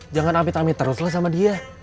jangan amit amit terus lah sama dia